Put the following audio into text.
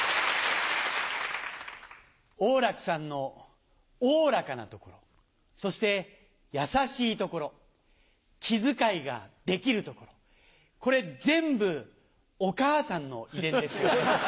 王楽さんのおおらかなところそして優しいところ気遣いができるところこれ全部お母さんの遺伝ですよね。